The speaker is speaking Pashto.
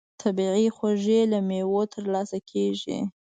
طبیعي خوږې له مېوو ترلاسه کېږي.